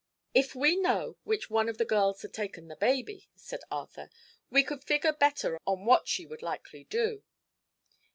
"If we know which one of the girls had taken baby," said Arthur, "we could figure better on what she would likely do.